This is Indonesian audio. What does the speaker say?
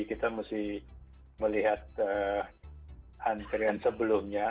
kita mesti melihat antrian sebelumnya